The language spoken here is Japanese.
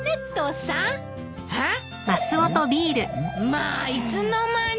まあいつの間に。